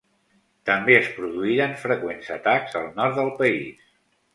També es produïren freqüents atacs al nord del país.